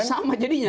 iya sama jadinya